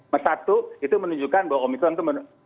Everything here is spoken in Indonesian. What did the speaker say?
pertama itu menunjukkan bahwa omikron itu